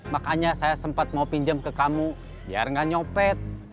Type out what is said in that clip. makanya saya sempat mau pinjam ke kamu biar gak nyopet